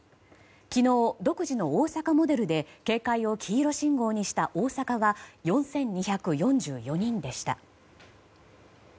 昨日、独自の大阪モデルで警戒を黄色信号にした大阪は４２４４人でした。